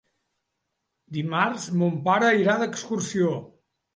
Dimarts mon pare irà d'excursió.